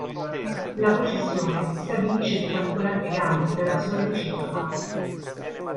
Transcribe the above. La processione stabilisce dei particolari legami di Relazione reciproca.